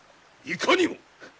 いかにも！